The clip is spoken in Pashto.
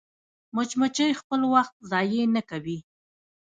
مچمچۍ خپل وخت ضایع نه کوي